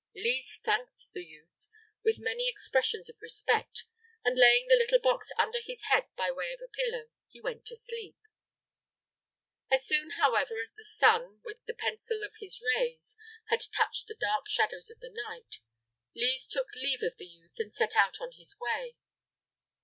Lise thanked the youth, with many expressions of respect, and laying the little box under his head by way of a pillow, he went to sleep. As soon, however, as the sun, with the pencil of his rays, had retouched the dark shadows of the night, Lise took leave of the youth and set out on his way.